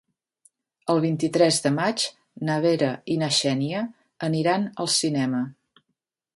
El vint-i-tres de maig na Vera i na Xènia aniran al cinema.